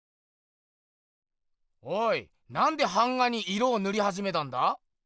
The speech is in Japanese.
おいなんで版画に色をぬりはじめたんだ？